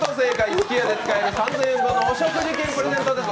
すき家で使える３０００円分のお食事券プレゼントです。